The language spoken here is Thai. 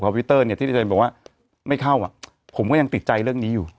วิวเตอร์เนี่ยที่เธอบอกว่าไม่เข้าอ่ะผมก็ยังติดใจเรื่องนี้อยู่